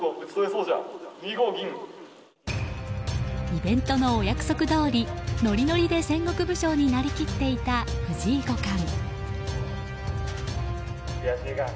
イベントのお約束どおりノリノリで戦国武将になりきっていた藤井五冠。